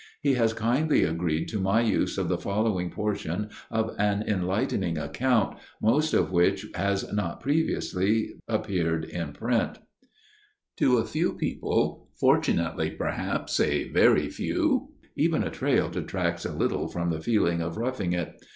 He has kindly agreed to my use of the following portion of an enlightening account, most of which has not previously appeared in print: "To a few people—fortunately, perhaps, a very few—even a trail detracts a little from the feeling of 'roughing it.